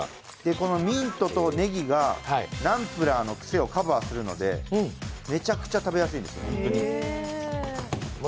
このミントとネギがナンプラーのくせをカバーするので、めちゃくちゃ食べやすいです。